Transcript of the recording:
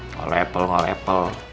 nggak lepel nggak lepel